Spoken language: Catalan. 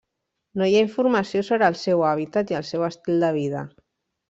No hi ha informació sobre el seu hàbitat i el seu estil de vida.